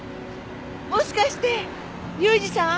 もしかして裕二さん？